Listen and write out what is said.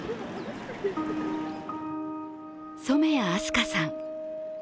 染矢明日香さん。